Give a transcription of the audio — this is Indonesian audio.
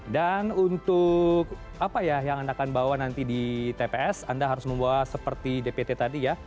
dan untuk apa ya yang anda akan bawa nanti di tps anda harus membawa seperti dpt tadi ya